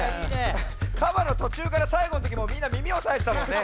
カバのとちゅうからさいごのときもうみんなみみおさえてたもんね。